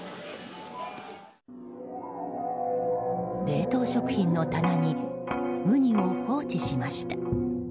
冷凍食品の棚にウニを放置しました。